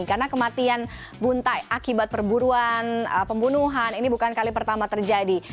karena kematian bunta akibat perburuan pembunuhan ini bukan kali pertama terjadi